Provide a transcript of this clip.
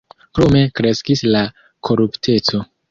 Krome kreskis la korupteco.